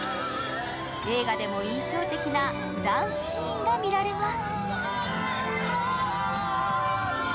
映画でも印象的なダンスシーンが見られます。